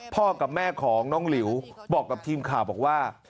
กับแม่ของน้องหลิวบอกกับทีมข่าวบอกว่า